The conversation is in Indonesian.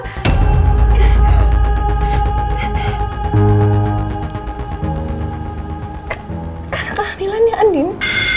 k karena kehamilannya andin